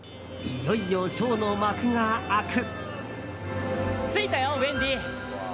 いよいよショーの幕が開く。